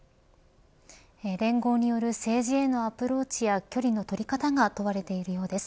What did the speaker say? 連合による政治へのアプローチや距離の取り方が問われているようです。